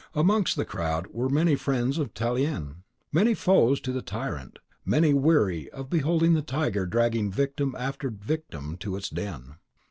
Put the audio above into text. Amongst the crowd were many friends of Tallien, many foes to the tyrant, many weary of beholding the tiger dragging victim after victim to its den.